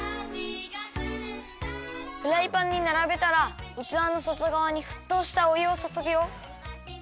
フライパンにならべたらうつわのそとがわにふっとうしたおゆをそそぐよ。